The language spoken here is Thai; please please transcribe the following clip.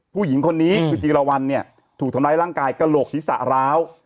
ผู้หญิงคนนี้คือจีรวรรณเนี่ยถูกทำร้ายร่างกายกระโหลกศีรษะร้าว